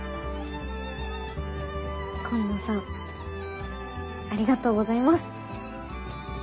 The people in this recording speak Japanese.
紺野さんありがとうございます。